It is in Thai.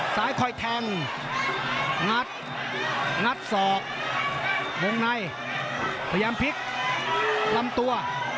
ซ้ายคอยแทงงัดงัดศอกวงในพยายามพลิกลำตัว